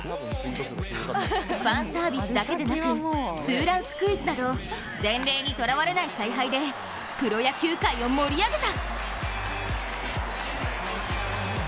ファンサービスだけでなくツーランスクイズなど前例にとらわれない采配でプロ野球界を盛り上げた。